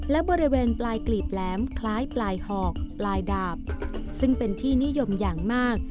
และบริเวณปลายกลีบแหลมคล้ายปลายหอกปลายดาบซึ่งเป็นที่นิยมอย่างมาก